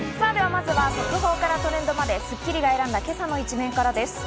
まずは速報からトレンドまで『スッキリ』が選んだ今朝の一面です。